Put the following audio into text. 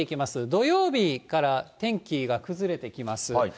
土曜日から天気が崩れてきます。